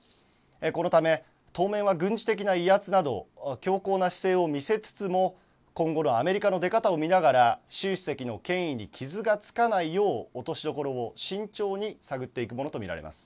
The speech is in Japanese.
このため当面は軍事的な威圧など強硬な姿勢を見せつつも今後のアメリカの出方を見ながら習主席の権威に傷がつかないよう落としどころを慎重に探っていくものと見られます。